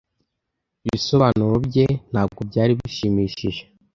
Ibisobanuro bye ntabwo byari bishimishije.